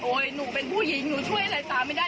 หนูเป็นผู้หญิงหนูช่วยอะไรตาไม่ได้